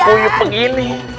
aku yuk begini